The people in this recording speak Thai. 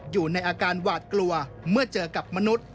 อยู่ในอาการหวาดกลัวเมื่อเจอกับมนุษย์